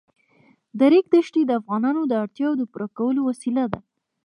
د ریګ دښتې د افغانانو د اړتیاوو د پوره کولو وسیله ده.